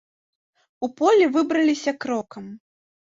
У поле выбраліся крокам.